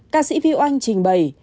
ca sĩ vị oanh trình bày